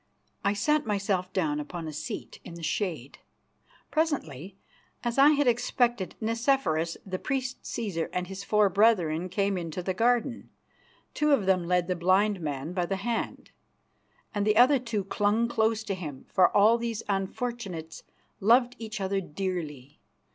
I sat myself down upon a seat in the shade. Presently, as I had expected, Nicephorus, the priest Cæsar, and his four brethren came into the garden. Two of them led the blind man by the hand, and the other two clung close to him, for all these unfortunates loved each other dearly.